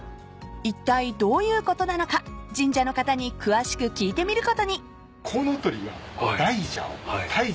［いったいどういうことなのか神社の方に詳しく聞いてみることに］